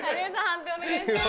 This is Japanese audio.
判定お願いします。